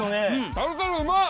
タルタルうまっ。